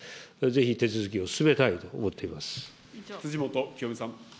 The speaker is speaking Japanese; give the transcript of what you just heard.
ぜひ手続きを進めたいと思っております。